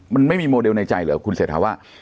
มันไม่มีโมเดลในใจเหรอคุณเศรษฐาว่า